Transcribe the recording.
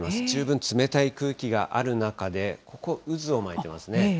十分冷たい空気がある中で、ここ、渦を巻いてますね。